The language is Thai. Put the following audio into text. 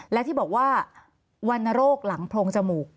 และที่บอกว่าวรรณโรคหลังโพรงจมูก